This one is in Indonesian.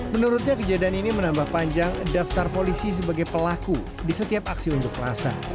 menurutnya kejadian ini menambah panjang daftar polisi sebagai pelaku di setiap aksi unjuk rasa